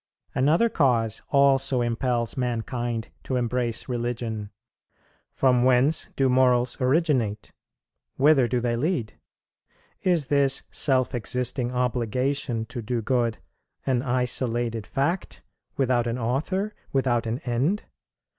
"Another cause also impels mankind to embrace religion ... From whence do morals originate? whither do they lead? is this self existing obligation to do good, an isolated fact, without an author, without an end?